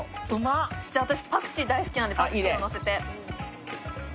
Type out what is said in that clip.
私、パクチー大好きなんでパクチーのせて。